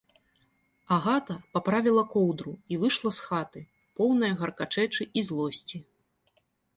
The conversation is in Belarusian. Агата паправіла коўдру і выйшла з хаты, поўная гаркачэчы і злосці.